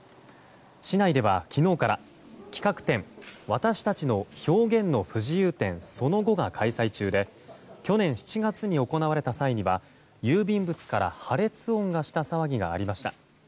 市内では昨日から企画展私たちの表現の不自由展・その後が開催中で去年７月に行われた際には郵便物から破裂音がした騒ぎがありました。